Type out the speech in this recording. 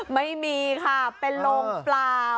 ไม่มีค่ะเป็นโรงเปล่า